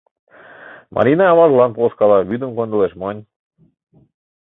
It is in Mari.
Марина аважлан полышкала, вӱдым кондылеш, монь.